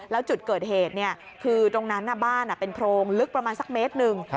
แล้วจุดเกิดเหตุคือตรงนั้นบ้านเป็นโพรงลึกประมาณสักเมตรหนึ่ง